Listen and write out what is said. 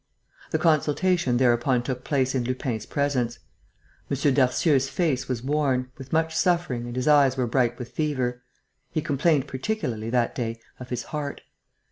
The consultation thereupon took place in Lupin's presence. M. Darcieux's face was worn, with much suffering and his eyes were bright with fever. He complained particularly, that day, of his heart.